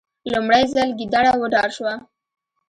لومړی ځل ګیدړه وډار شوه.